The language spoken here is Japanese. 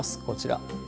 こちら。